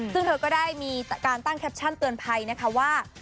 ซึ่งเธอก็ได้มีการตั้งแคปชั่นเตือนภัยนะคะว่า